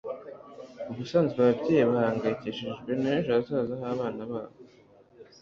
ubusanzwe ababyeyi bahangayikishijwe n'ejo hazaza h'abana babo